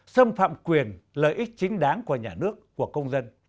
xâm phạm quyền lợi ích chính đáng